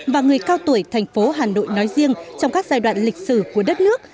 và người cao tuổi thành phố hà nội nói riêng trong các giai đoạn lịch sử của đất nước